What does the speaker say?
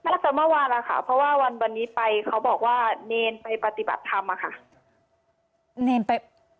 ตั้งแต่เมื่อวานแล้วค่ะเพราะว่าวันวันนี้ไปเขาบอกว่าเนรไปปฏิบัติธรรมอะค่ะ